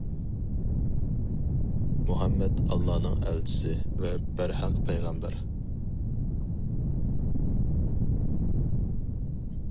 مۇھەممەت ئاللانىڭ ئەلچىسى ۋە بەرھەق پەيغەمبەر!